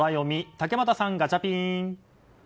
竹俣さん、ガチャピン。